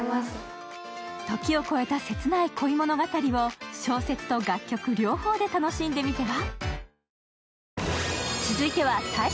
時を超えた切ない恋物語を小説と楽曲、両方で楽しんでみては？